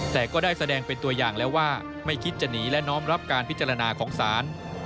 แต่ก็ได้แสดงเป็นตัวอย่างแล้วว่าไม่คิดจะหนีและน้อมรับการพิจารณาของศาล